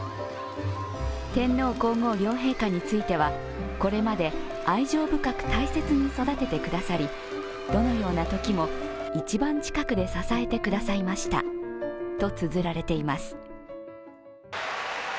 天皇皇后両陛下についてはこれまで、愛情深く大切に育ててくださりどのようなときも一番近くで支えてくださいましたとつづられています。